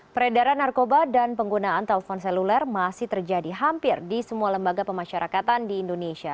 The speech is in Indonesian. peredaran narkoba dan penggunaan telpon seluler masih terjadi hampir di semua lembaga pemasyarakatan di indonesia